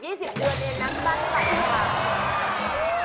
น้ำที่บ้านไม่ไหลเลยค่ะ